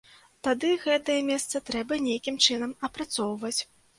Тады гэтае месца трэба нейкім чынам апрацоўваць.